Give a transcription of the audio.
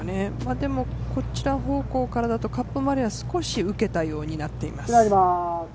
でも、こちら方向からだとカップ方向は少し受けたような形になっています。